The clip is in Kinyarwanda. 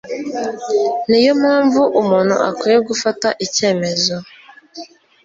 niyo mpamvu umuntu akwiye gufata icyemezo